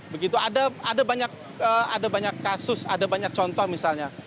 begitu ada ada banyak ada banyak kasus ada banyak contoh misalnya